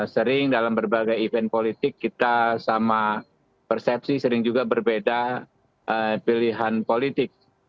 sering dalam berbagai event politik kita sama persepsi sering juga berbeda pilihan politik